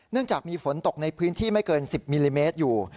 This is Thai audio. จากมีฝนตกในพื้นที่ไม่เกิน๑๐มิลลิเมตรอยู่